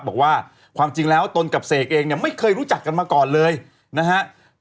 บอกว่าความจริงแล้วตนกับเสกเองเนี่ยไม่เคยรู้จักกันมาก่อนเลยนะครับ